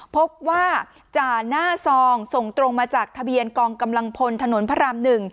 พบว่าจ่าหน้าซองส่งตรงมาจากทะเบียนกองกำลังพลถนนพระราม๑